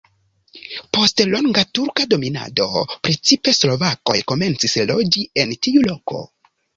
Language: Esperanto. Post longa turka dominado precipe slovakoj komencis loĝi en tiu loko.